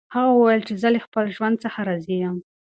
هغه وویل چې زه له خپل ژوند څخه راضي یم.